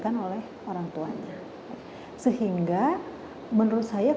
adalah sarana yang tersabar